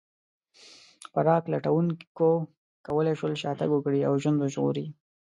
خوراک لټونکو کولی شول شا تګ وکړي او ژوند وژغوري.